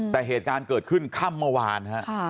แต่เหตุการณ์เกิดขึ้นค่ำเมื่อวานฮะ